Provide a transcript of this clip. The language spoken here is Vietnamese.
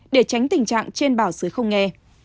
để tránh tình trạng trên bảo sứ không nghe